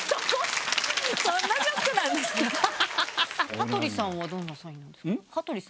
羽鳥さんはどんなサインですか？